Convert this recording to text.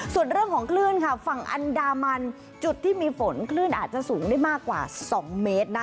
ส่วนเรื่องของคลื่นค่ะฝั่งอันดามันจุดที่มีฝนคลื่นอาจจะสูงได้มากกว่า๒เมตรนะ